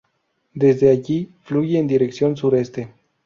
Desde allí, fluye en dirección sureste.